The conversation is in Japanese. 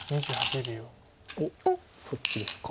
おっそっちですか。